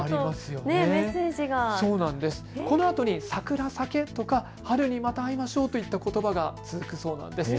このあとにサクラサケとか春にまた会いましょうといったことばが続くそうなんです。